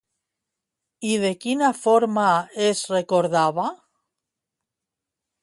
I de quina forma és recordada?